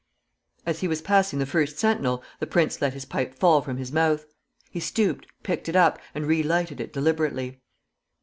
As he was passing the first sentinel, the prince let his pipe fall from his mouth. He stooped, picked it up, and re lighted it deliberately.